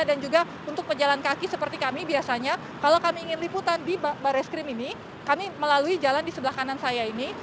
dan juga untuk penjalan kaki seperti kami biasanya kalau kami ingin liputan di baris krim ini kami melalui jalan di sebelah kanan saya ini